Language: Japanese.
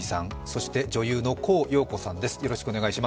そして女優の高陽子さんです。